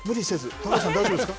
高橋さん、大丈夫ですか？